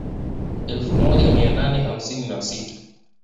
Elfu moja mia nane hamsini na sita